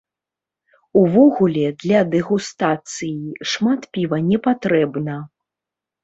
Увогуле, для дэгустацыі шмат піва не патрэбна.